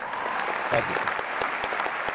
Vazgeçtim.